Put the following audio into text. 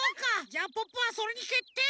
じゃあポッポはそれにけってい！